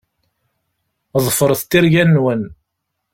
Ḍefṛet tirga-nwen.